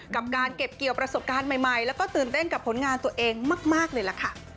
กับการเก็บเกี่ยวประสบการณ์ใหม่แล้วก็ตื่นเต้นกับผลงานตัวเองมากเลยล่ะค่ะ